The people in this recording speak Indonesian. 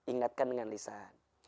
ingatkan dengan lisan